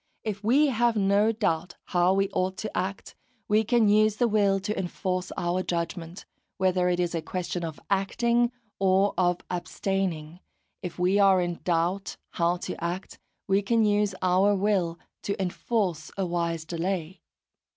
If we have no doubt how we ought to act, we can use the will to enforce our judgment, whether it is a question of acting or of abstaining; if we are in doubt how to act, we can use our will to enforce a wise delay.